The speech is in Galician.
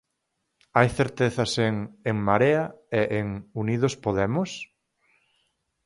Hai certezas en En Marea e en Unidos Podemos?